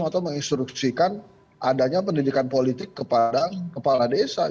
atau menginstruksikan adanya pendidikan politik kepada kepala desa